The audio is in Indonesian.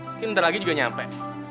mungkin bentar lagi juga nyampe